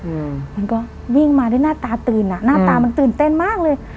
อืมมันก็วิ่งมาด้วยหน้าตาตื่นอ่ะหน้าตามันตื่นเต้นมากเลย